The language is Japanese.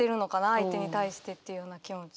相手に対してっていうような気持ち。